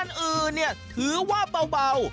อื่นเนี่ยถือว่าเบา